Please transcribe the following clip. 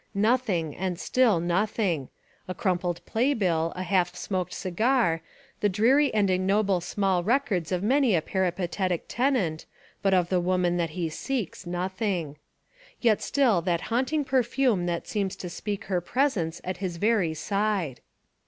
Nothing and still nothing, — a 260 The Amazing Genius of O. Henry crumpled playbill, a half smoked cigar, the dreary and Ignoble small records of many a peripatetic tenant, but of the woman that he seeks, nothing. Yet still that haunting perfume that seems to speak her presence at his very side.